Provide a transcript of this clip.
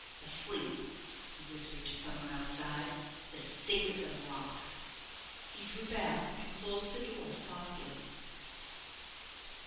"Asleep," he whispered to some one outside; "as safe as a rock." He drew back and closed the door softly.